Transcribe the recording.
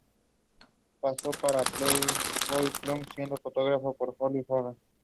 Posó para Playboy Plus, siendo fotografiada por Holly Randall.